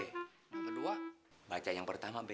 yang kedua baca yang pertama be